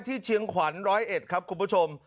ที่เชียงขวัญร้อยเอ็ดครับคุณผู้ชม